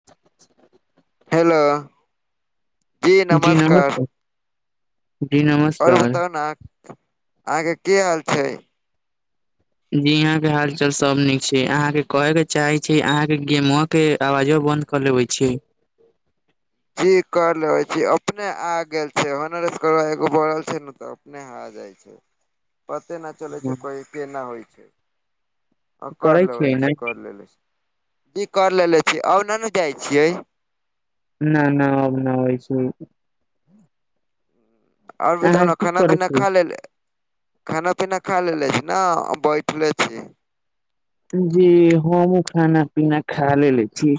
[inaudible] Hello जी नमस्कार। जी नमस्त- आओर बताउ ने? अहाँ के की हाल छै? जी यहां के हालचाल सब नीक छै। अहां के कहै के चाहे छी अहाँ के गेमम के अवाजो बंद कऽ लेबै छै। जी कर लेबे छी। अपने आ गेल छै ओनरसे कर एगो बढ़ल छै ने त अपने आ जाइ छै। पते न चलै छै पैइग कोना होइ छै? आ करै कर लेबे छियै ने छी, कर लेले छी। की कर लेेले छी आ उने नइ ने जाइ छियै? न न अब न होइ छै। और बताउ अहाँ ने की खाना करै पीना छी खा लेलय खाना पीना खा लेले छी नेता बैठले छी। जी हमू खाना पीना खा लेलेे छी।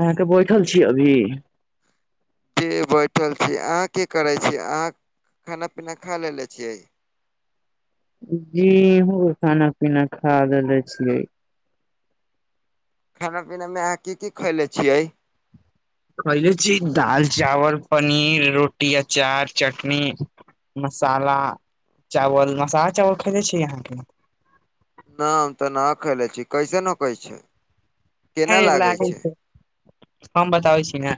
अहाँ त बैठल छीै अभी। के बैठल छी। अहाँ के करै छियै? अहाँ खाना पीना खा लेले छियै? जी हुं खाना पीना खा लेले छियै। खाना पीनामे अहाँ की की खयले छियै? खयले छियै दाल, चावल, पनीर, रोटी, अचार, चटनी मसाला, चावल, मसाला चावल खैलै छियै अहाँ की? न हम तऽ न खइले छी। कैसे होकनछै? एऐन लागे छै। हम बताबइ छी ने।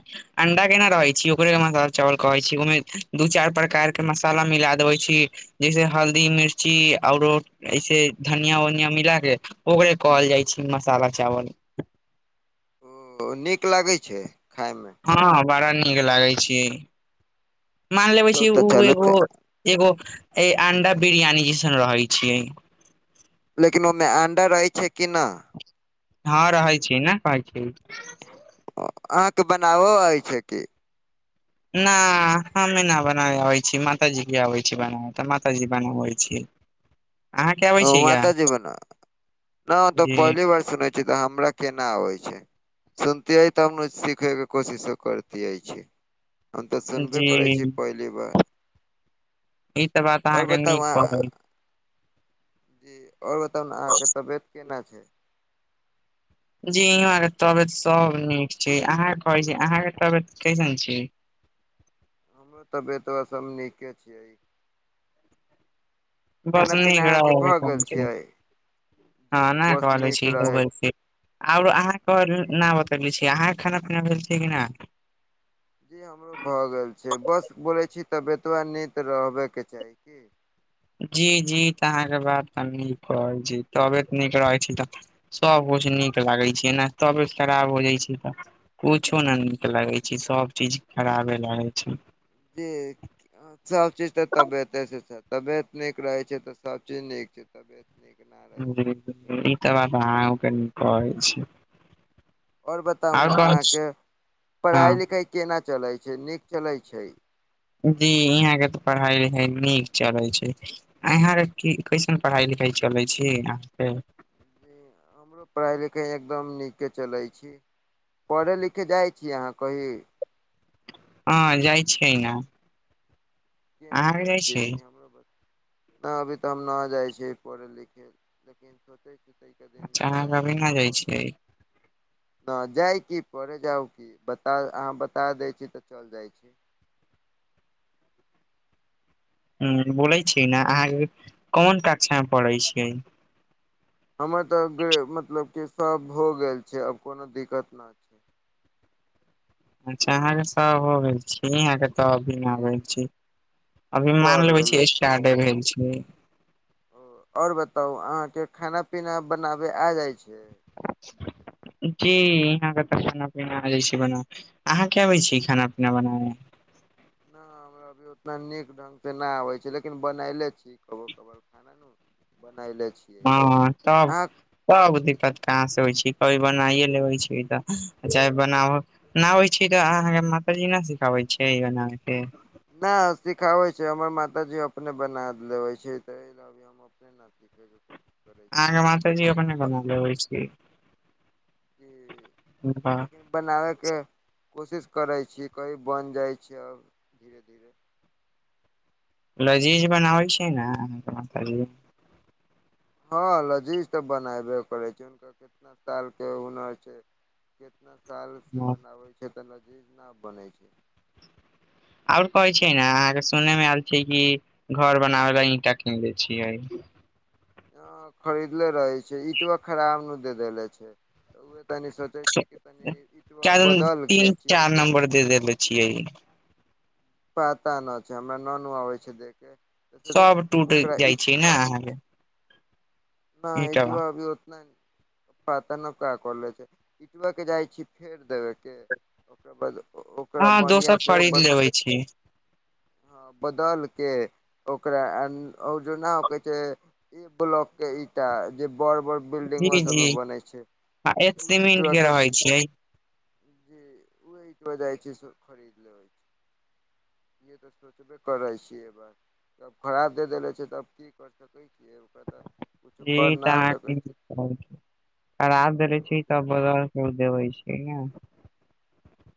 अंडा केना रहय छी, ओकरे मसाला चावल कहै छी ओय मे दू चाइर प्रकार के मसाला मिला देबे छी जैसे हल्दी मिर्ची औरो ऐसे धनिया वनिया मिला के ओकरे कहल जाइ छै मसाला चावल। ओ नीक लागै छै खाइमे? हँ बड़ा नीक लागे छियै। मान लेबे तब छी तऽ उ चलू एगो तऽ एगो ए अंडा बिरियानी जैसन रहै छियै। लेकिन ओमे अंडा रहै छै कि नऽ? हँ रहै छियै नइ कहइ छय? [unintelligible] अहाँके बनाबो आइ छै की? न हमे न बना आबै छीयै मातााजी केआबे छय बना तऽ माताजी बनाबय छै। [inaudible] ओ माताजेी बना, न तो जी पहली बार सुनय छय हमरा केना आबै छै? सुनतियै तब ने सिखे के कोशिशो करतिये छी। हम तऽ सुनबे करै जी छी पहली बार। ईत बात आओर आहा के बताउ नीक अहाँ [unintelligible] जी और बताउ ने अहाँके तबियत केना छै? जी इहं के तबियत सब नीक छै अहां के कहै छी अहां के तबियत कैसन छै? हमरो तबियत [unintelligible] सब नीके छियै। खाना पीना अहाँके भऽ गेल छियै [unintelligible] जी बस नीक रहै [unintelligible] और अहाँके जी न बतब छी, अहाँके खाना पीना भेल छय कि ना? जी हमरो भऽ गेल छै बस बोलय छी तबियत नीत रहबेके चाही, की? जी जी तऽ अहाँके बात हम नीक कहय छी। तबियत नीक रहै छै तऽ सभ कुछ नीक लागै छै एना तबियत खराब हो जाइ छै तऽ कुछो नहि नीक लगैत छै सभ चीज खराबे लागैत छै। [unintelligible] सबचीज तऽ तबियते से छै तबियत नीक रहैत छै तऽ सबचीज नीक छै। नीक ना रहै छै तऽ कुछो नीक ई तऽ केना बात छै अहके न कहै छी। और बताउ न आओर कहै छी अहाँके हँ पढ़ाइ लिखाइ केना चलै छै नीक चलै छै। जी यहाँ के तऽ पढ़ाई लिखाई नीक चलै छै। अहाँ के कइसन पढ़ाइ लिखाइ चलै छै अहाँके। जी हमरो पढ़ाइ लिखाइ एकदम नीके चलैत छै। पढ़ै लिखै जाए छी अहाँ कही। हँ जाए छियै ने। केने अहाँके जाए जाइ छियै तनि हमरो पर न अभी तऽ हम नै जाए छियै पढ़े लिखे लेकिन सोचै छी तैय के दिन अच्छा मे अहाँके जाइ अभी छी न पढ़ छियै नहि जाइ की पड़ै जाउ की बता अहाँ बता दै छी तऽ चलि जाइ छी ह बोलै छी ने अहाँके कोन कक्षा मे पढ़ै छियै हमर तऽ मतलब क सब भ गेल छै आब कोनो दिक्कत न छै अच्छा अहाँके सब हो गेल छी अहाँके त अभी न जे आबै छी हम अभी मान पढ़ लेबे छी लेले छियै स्टार्डे भेल छी ओर बताउ अहाँके खाना पीना बनाबै आब जाए छै जी यहाँ के तऽ खाना पीना आ जाए छै बनाबै अहाँ के अबै छै खाना पीना बनावै नहि हमरा अभी उतना नीक ढंग से नहि आबै छै लेकिन बनले छी कबो कबार खाना बनाय ले छी हँ तब तब दिक्कत कहाँसँ होइ छै कभी बनाइए लेबै छै तऽ चाहे बनाबक नाबै छी तऽ अहाँके माता जी नहि सिखाबै छै बना के नै सिखाबै छै हमर माताजी अपने बना लेबे छै त ल अपने न सीखैके कोशिश करै अहाँके छियै माताजी लेकिन अपने हम बना लेबै छी जे हुनका लेकिन बनाबैके कोशिश करै छी कभी बनि जाए छै अब धीरे-धीरे लजीज बनाबै छै ने कहा के माताजी हँ लजीज तऽ बनाबे करै छी हुनकर कितना साल के हुनर छै कितना सालसे बनाबै छै तऽ लजीज नऽ बनै छै आओर कहै छै ने अहाँके सुनय मे आयल छै कि घर बनाबे ला ईटा कीन ले छियै। हं खरीदले रहे छै इटो खराब नु द देेले छै उहे तनी स कैल तीन ची चार नम्बर दे देेले छियै पता न छै हमरा ननू आबै छै देखै सब टूटे जाए छै ने अहाँके हं ईंटवा ईटवा भी- नै नै पता न का करले छै इटबै के जाइ छी फेर दैबे के ओकर बाद ओ-ओ हँ दोसर खरीद लेबै छी बदके ओकरा अपन ओजैना कहै छै ए बलोक के ईटा जे बड़ बड़ बिल्डिंग सब जी-जी मे बनै छै आ एक सीमेंट के रहै छियै जे वहीं पर जाए छी सब खरीद लेबै छी। ई तऽ सोचबे करै छियै एहि बार तब खराब दे देेले छै तब की कर सक [inaudible] [unintelligible] [unintelligible] तऽ देबै छै ने।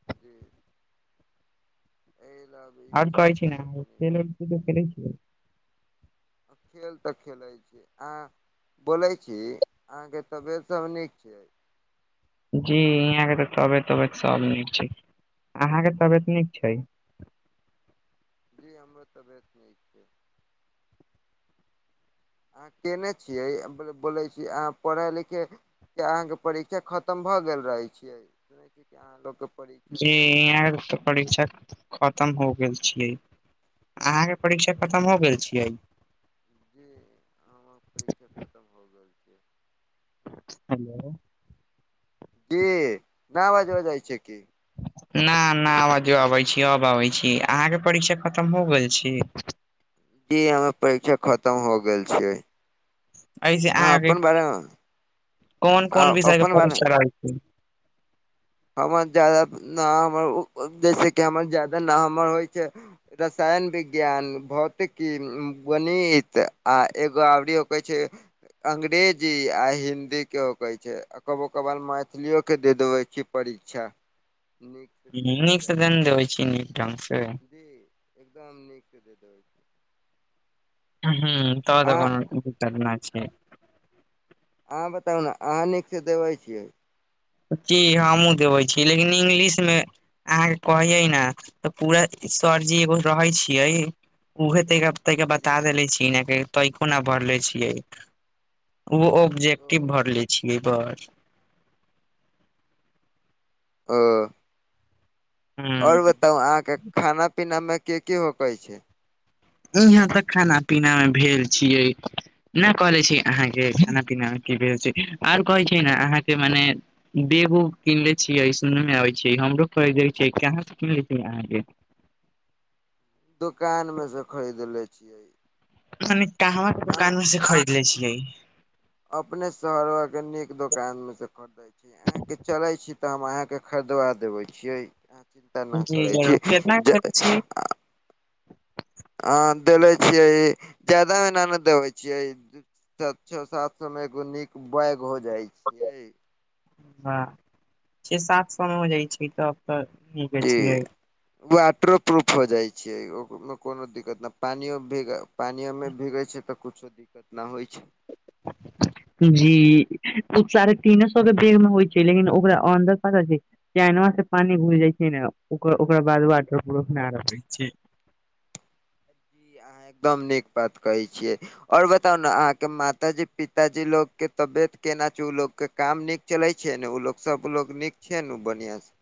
[unintelligible] एहि ल इहे आओर कहै छी ने सोचके तनी [unintelligible] खेल तऽ खेलेलय छै आ बोलै छी अहाँके तबियत सब नीक छै? जी यहाँ के त तबियत उबियत सब नीक छै। अहाँ के तबियत नीक छै? जी हमर तबियत ठिक छय। अहाँ केने छियै बोलै छी अहाँ पढ़ै लिखै कि अहाँके परीक्षा खतम भऽ गेल रहैत छियै सुनैत छियै कि अहाँ लोकके परीक्षा जी चलै इहाँ छै तऽ परीक्षा खतम हो गेल छिए। अहाँ के परीक्षा खतम ओ हो गेल छिए? जी हमर परीक्षा खतम हो गेल छै। हेलो! जी नहि बाजब जाइ छै की। ना ना आवाजो अबै छी अब आबै छी अहाँके परीक्षा खतम हो गेल छी। जी हमे परीक्षा खतम हो गेल छै। ऐसे अहाँ अहाँके अपन बारे मे कोन आ कोन विषय के अपन बारे परीक्षा रहल छी? हमर जादा न हमर जैसे कि हमर जादा न हमर होइ छै। रसायन विज्ञान, भौतिकी, गणित आ एगो आबरी कहै छै अंग्रेजी आ हिन्दी के हो कहै छै आ कबो कबार मैथिलियोक के दे देबै छी परीक्षा। नीक ह हो नीकसँ जाइ छै देन देवे छी नीक ढंगसँ। जी एकदम नीक से दे देबै छी। हू तब तऽ अहाँ कोनो दिक्कत नहि छै। अहाँ बताउ न अहाँ नीकसँ देबै छियै। की हमहूँ देबै छी लेकिन इंग्लिश में अहाँके कहैयै ने तऽ पूरा सरजी एगो रहै छियै उहे तै तैय के जी बता देले छी न पै कोना भरले छियै ओ ओ ऑब्जेक्टिव भरले छियै बस। आ और हूँ बताउ अहाँके खाना पीना में कि कि होके छै? इहाँ तऽ खाना पीना मे भेल छियै नहि कहले छी अहाँके खाना पीना मे की भेल छै आओर कहै छै ने अहाँके मने बेगो किनले छियै सुन मे आबै छै हमरो खरीदे छै कहाँ से किनले छी अहाँ के दुकान में से खरीद ले छियै। मने कहवा अहाँ दुकान मे से खरीदले छियै? अपने शहर के नीक दुकान में से खरीदे अहाँके चलै छी तऽ हम अहाँके खरीदबा देबै छियै। अहाँ चिन्ता नहि जी करै जरूर छी केतना जे के देले छियै आहा देले छियै जादा एहिना ने देबे छियै। त छः सात सौ में एगो नीक बैग हो जाय छियै। ह छः सात सौ मे हो जाइ छै तब तऽ निके छियै। वाटर प्रूफ हो जाइ छै ओ कोनो दिक्कत ना पानियो मे भीग पानियोमे भीगै छै तऽ कुछो दिक्कत ना होइ छै। [inaudible] जी ऊ साढ़े तीने सए के बेग मे होइ छै लेकिन ओकरा अन्दर पता छै चैनवा से पानी घूस जाइ छै ने ओकर ओकरा बाद वाटर प्रूफ ना रह जाइ छै। ई अहाँ एकदम नीक बात कहै छियै। ओर बताउ ने अहाँके माताजी पिताजी लोकके तबियत केना छै ऊ लोक के काम निक चलै छै ने उ लोग सबलोग नीक छै ने उ बढ़िया से?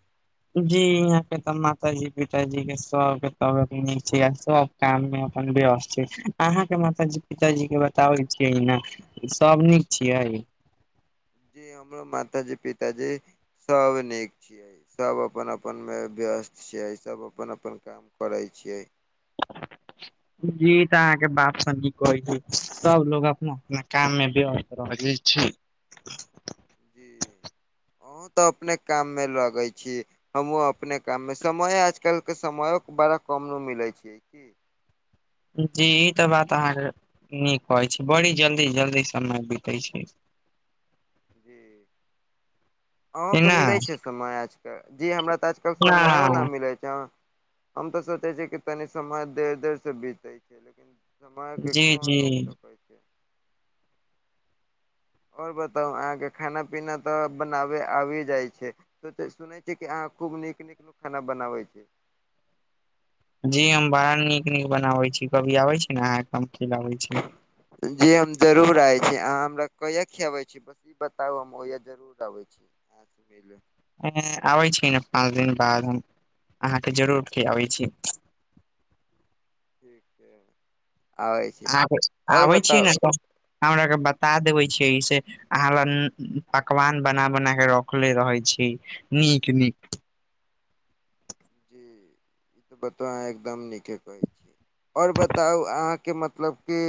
जी यहाँ के तऽ माता जी पिताजी के सबके तबीयत नीक छै आ सब काम मे अपन व्यस्त छै अहाँके मातााजी पिताजी के बताबै छियै न। सब नीक छियै। जी हमरो माता जी पिताजी सब नीक छियै। सब अपन अपनमे व्यस्त छियै सब अपन अपन काम करै छियै। जी ई तऽ अहाँके बात सही कहै छी सब लोग अपना अपना काम मे व्यस्त रहली छै। जी अहौं तऽ अपने काममे लगै छी। हमूँ अपने काममे समय आजकलके समयो बड़ा कम नु मिलै छै। जी ई तऽ बात अहाँके नीक कहै छै बड़ी जल्दी जल्दी समय बितै छै। जी कि अहौंके ना मिलै छै समय आजकल जी हमरा तऽ आज कल समयो ना मिलै छै। हम तऽ सोचे छी कि तनी समय देर देर से बीतै के लेकिन समयके जी जी कोन रोक सकै छै। आओर बताउ अहाँके खाना पीना तऽ बनाबै आबि जाइ छै। सुनै छी कि अहाँ खूब नीक-नीक खाना बनाबै छी। जी हम बड़ा नीक-नीक बनाबै छी कभी अबै छी ना अहाँके हम खिलाबै छी। जी हम जरूर आबै छी अहाँ हमरा कहिया खियाबै छी बस ई बताउ हम ओहिआ जरूर अबै छी। आहाॅंस मिले। एं आबै छी ने पाँच दिन बाद हम अहाँके जरूर खिआबै छी। ठीक छै आबै छी। आब आओर आबै छीयै बताउ ने तऽ हमराके बता देबै छियै ईसे अहाँ लन पकवान बना-बना के रखऽले रहै छी नीक-नीक। जी ई तऽ बतबा अहां एकदम नीके कहे छी। आओर बताउ अहाँके मतलब कि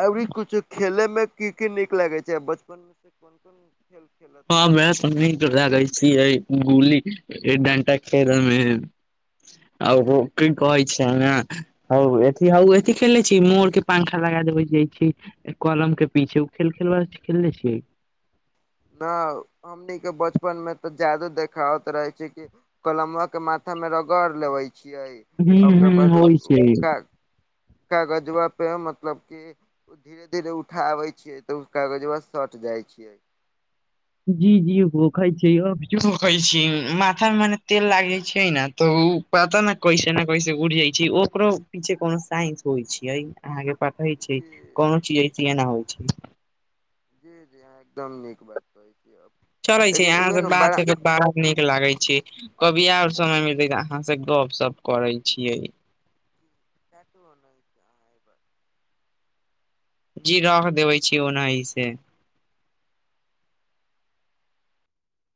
अबरि कुछो खेलैय मे की-की नीक लगै छै बचपन मे से कोन-कोन खेल खेलत [unintelligible] गुली डंटा खेलऽ मे। आउ ओ की कहै छै ने हऊ एथि हऊ ऐथि खेलने छी मोर के पंख लगा देबै जाइ छी। कलम के पीछे ओ खेल खेलबा छी खेलने छी। न हमनीके बचपन में तऽ जादे देखावत रहे छै कि कलम्वा के माथा में रगड़ लेबय छियै। हूं ओकर हूं होइ छै। कागजबा पे मतलब की धीरे धीरे उठाबै छियै तऽ ऊ कागजबा सऽट जाइ छियै। जी जी होखै छै, अभियो होखै छी माथा मे मने तेल लाग जाइ छै न तऽ ओ पता ना कैसे ने कैसे उड़ि जाइ छै। ओकरो पीछे कोनो साइंस होइ छीयै। अहाँके पतहे छै, जी कोनो चीज ऐसे एना होइ छै। जी-जी अहाँ एकदम नीक बात कहै छी। चलय छै, अहाँ बात कऽ के बाड़ा नीक लागै छि। कभी आऊ समय मिलते तऽ अहाँ से गऽप सऽप कऽरय छीयै। ऐनो नहि जायब। जी रह देबैय छी ओनाहिं से।